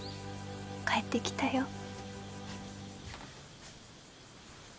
帰ってきたよ。